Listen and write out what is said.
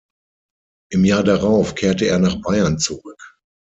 Im Jahr darauf kehrte er nach Bayern zurück.